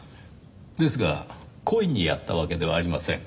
ですが故意にやったわけではありません。